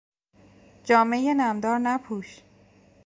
جامهی نمدار نپوش!